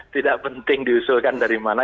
tidak penting diusulkan dari mana